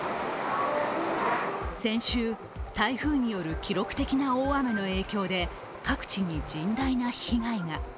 先週、台風による記録的な大雨の影響で各地に甚大な被害が。